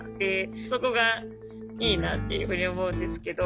そこがいいなっていうふうに思うんですけど。